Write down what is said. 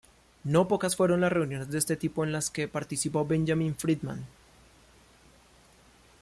No pocas fueron las reuniones de este tipo en las que participó Benjamin Freedman.